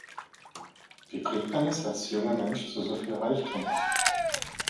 Wie bringt man es als junger Mensch zu so viel Reichtum?